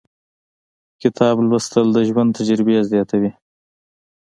• کتاب لوستل، د ژوند تجربې زیاتوي.